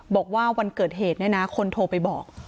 บอกว่าวันเกิดเหตุเนี่ยนะคนโทรไปบอก